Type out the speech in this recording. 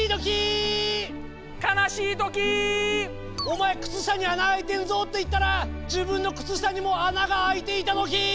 「お前靴下に穴開いてんぞ」って言ったら自分の靴下にも穴が開いていたときー！